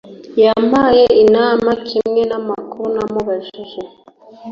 Yampaye inama kimwe namakuru namubajije